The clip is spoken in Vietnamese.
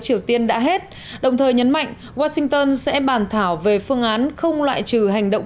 triều tiên đã hết đồng thời nhấn mạnh washington sẽ bàn thảo về phương án không loại trừ hành động